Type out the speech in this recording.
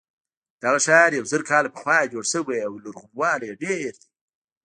دغه ښار یو زر کاله پخوا جوړ شوی او لرغونوالی یې ډېر دی.